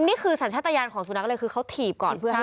นี่คือสัญชาตญาณของสุนัขเลยคือเขาถีบก่อน